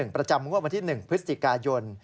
ประจำงวดวันที่๑พฤศจิกายน